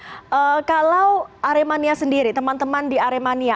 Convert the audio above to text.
oke kalau aremania sendiri teman teman di aremania